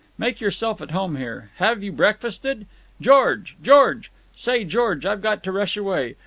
Make yourself at home here. Have you breakfasted? George! George! Say, George, I've got to rush away.